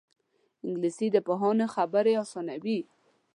انګلیسي د پوهانو خبرې اسانوي